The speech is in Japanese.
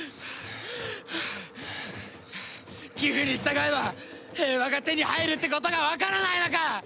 ギフに従えば平和が手に入るってことがわからないのか！